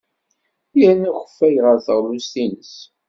Yerna akeffay ɣer teɣlust-nnes.